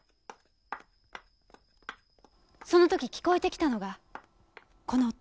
その時聞こえてきたのがこの音。